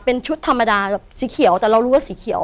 เป็นชุดธรรมดาแบบสีเขียวแต่เรารู้ว่าสีเขียว